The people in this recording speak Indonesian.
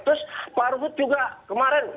terus pak ruhut juga kemarin